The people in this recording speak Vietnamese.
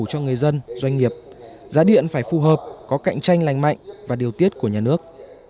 cho người dân doanh nghiệp giá điện phải phù hợp có cạnh tranh lành mạnh và điều tiết của nhà nước